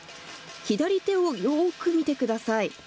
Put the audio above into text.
左手をよーく見てください。